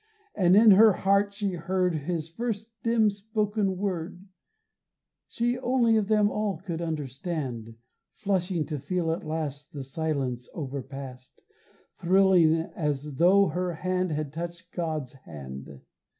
And in her heart she heard His first dim spoken word She only of them all could understand, Flushing to feel at last The silence over past, Thrilling as tho' her hand had touched God's hand.